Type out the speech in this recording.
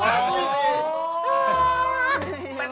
kau potongkan aku